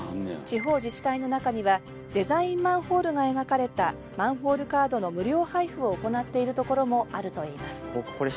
地方自治体の中にはデザインマンホールが描かれたマンホールカードの無料配布を行っているところもあるといいます。